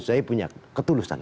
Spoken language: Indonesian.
guscoi punya ketulusan